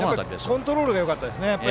コントロールがよかったですね。